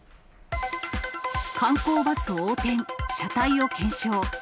観光バス横転、車体を検証。